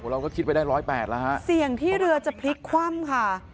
เราก็คิดไปได้ร้อยแปดแล้วฮะเสี่ยงที่เรือจะพลิกคว่ำค่ะ